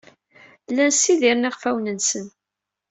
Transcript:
Llan ssidiren iɣfawen-nsen.